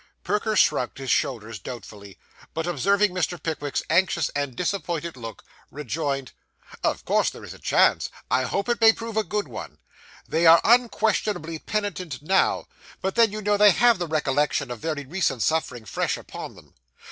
Perker shrugged his shoulders doubtfully, but observing Mr. Pickwick's anxious and disappointed look, rejoined 'Of course there is a chance. I hope it may prove a good one. They are unquestionably penitent now; but then, you know, they have the recollection of very recent suffering fresh upon them.